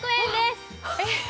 えっ！